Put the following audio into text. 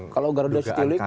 kalau garuda citylink maaf